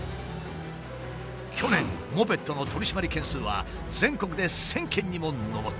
去年モペットの取り締まり件数は全国で１，０００件にも上った。